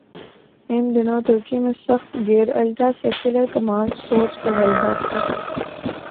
ان دنوں ترکی میں سخت گیر الٹرا سیکولر کمالسٹ سوچ کا غلبہ تھا۔